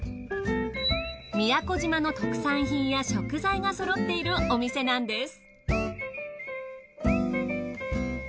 宮古島の特産品や食材がそろっているお店なんです。